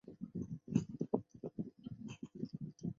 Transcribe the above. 圣维森特和文托萨是葡萄牙波塔莱格雷区的一个堂区。